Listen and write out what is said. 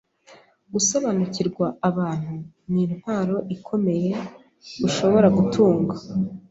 Gusobanukirwa abantu nintwaro ikomeye ushobora gutunga.